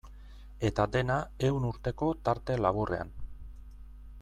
Eta dena ehun urteko tarte laburrean.